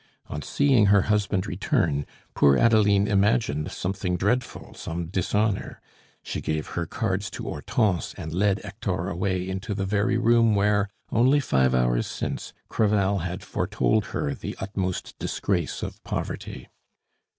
On seeing her husband return, poor Adeline imagined something dreadful, some dishonor; she gave her cards to Hortense, and led Hector away into the very room where, only five hours since, Crevel had foretold her the utmost disgrace of poverty.